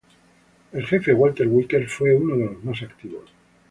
El jefe Walter Vickers fue uno de los más activos.